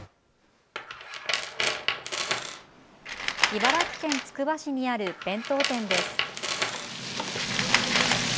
茨城県つくば市にある弁当店です。